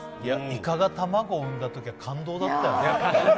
イカが卵を産んだときは感動だったよね。